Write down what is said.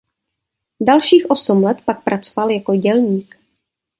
Dalších osm let pak pracoval jako dělník.